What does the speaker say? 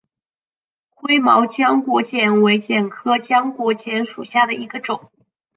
灰毛浆果楝为楝科浆果楝属下的一个种。